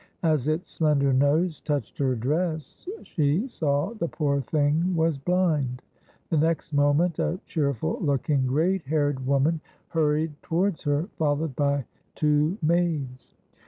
As its slender nose touched her dress, she saw the poor thing was blind. The next moment a cheerful looking, grey haired woman hurried towards her, followed by two maids.